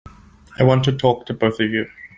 I want to talk to both of you.